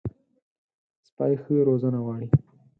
سپي ښه روزنه غواړي.